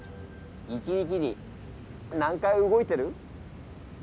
一日に何回動いてる？